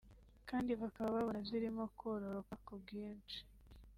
kandi bakaba babona zirimo kororoka ku bwinshi